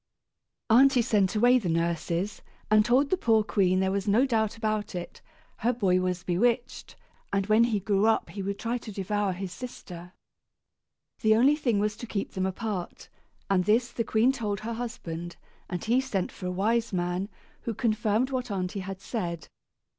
Aunty sent away the nurses, and told the poor queen there was no doubt about it; her boy was bewitched, and when he grew up he would try to devour his sister. The only thing was to keep them apart, and this the queen told her husband; and he sent for a wise man, who confirmed what aunty had said.